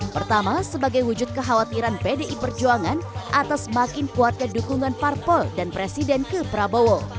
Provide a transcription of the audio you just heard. pertama sebagai wujud kekhawatiran pdi perjuangan atas makin kuatnya dukungan parpol dan presiden ke prabowo